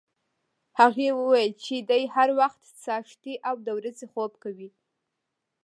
هغې ویل چې دی هر وخت څاښتي او د ورځې خوب کوي.